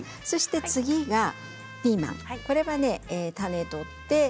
次がピーマンですね、種を取って。